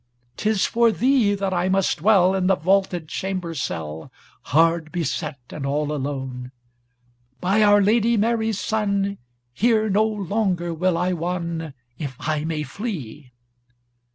'Tis for thee that I must dwell In the vaulted chamber cell, Hard beset and all alone! By our Lady Mary's Son Here no longer will I wonn, If I may flee!